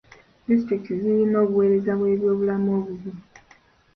Disitulikiti ziyina obuweereza bw'ebyobulamu obubi.